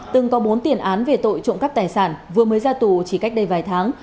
từng có bốn tiền án về tội trộm cắp tài sản vừa mới ra tù chỉ cách đây vài tháng